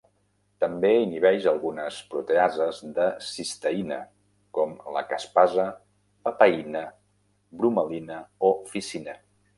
També inhibeix algunes proteases de cisteïna com la caspasa, papaïna, bromelina o ficina.